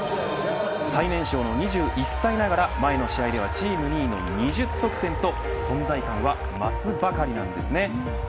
最年少の２１歳ながら前の試合ではチーム２位の２０得点と存在感は増すばかりなんですね。